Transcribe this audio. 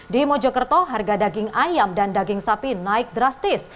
di mojokerto harga daging ayam dan daging sapi naik drastis